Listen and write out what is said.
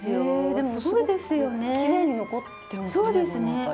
でもすごくきれいに残ってますねこの辺り。